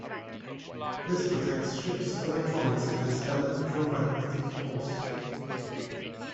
This protects ship's electronics against electromagnetic pulse.